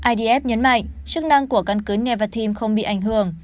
idf nhấn mạnh chức năng của căn cứ nevatem không bị ảnh hưởng